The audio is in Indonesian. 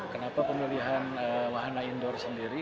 kenapa pemilihan wahana indoor sendiri